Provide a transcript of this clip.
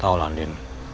tau lah din